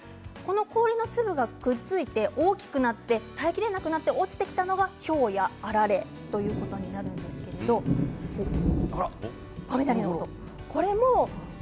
氷の粒がくっついて大きくなって耐えきれなくなって落ちてきたのがひょうや、あられということになってくるんですけれど雷の音が今、聞こえてきましたね。